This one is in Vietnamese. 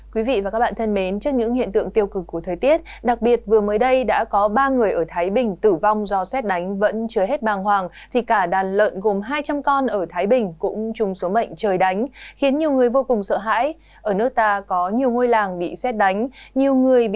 các bạn hãy đăng ký kênh để ủng hộ kênh của chúng mình nhé